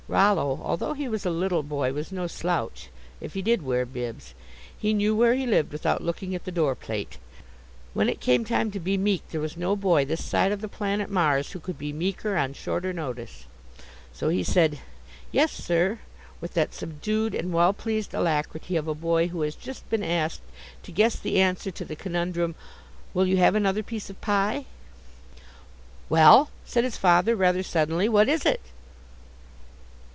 Rollo, although he was a little boy, was no slouch, if he did wear bibs; he knew where he lived without looking at the door plate. When it came time to be meek, there was no boy this side of the planet Mars who could be meeker, on shorter notice. So he said, "Yes, sir," with that subdued and well pleased alacrity of a boy who has just been asked to guess the answer to the conundrum, "Will you have another piece of pie?" "Well," said his father, rather suddenly, "what is it?"